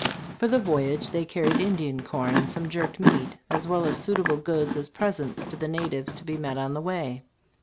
For the voyage they carried Indian corn and some jerked meat, as well as suitable goods as presents to the natives to be met on the way.